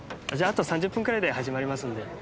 じゃああと３０分くらいで始まりますんで。